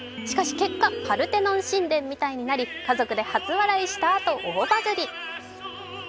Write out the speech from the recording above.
しかし、結果パルテノン神殿みたいになり、家族で初笑いしたと大バズり。